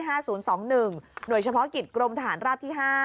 โดยเฉพาะกิจกรมทหารราบที่๕